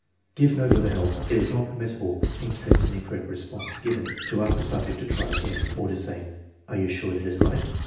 Give no further help. It is not permissible, in case an in correct response is given, to ask the subject to try again, or to say: " Are you sure that is right?